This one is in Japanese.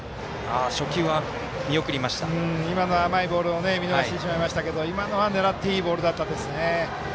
甘いボールを見逃してしまいましたが狙っていいボールでしたね。